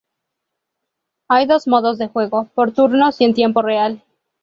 Hay dos modos de juego: por turnos y en tiempo real.